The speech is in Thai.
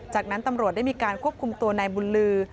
จากนั้นตำรวจได้มีการควบคุมตัวนายบุญลือ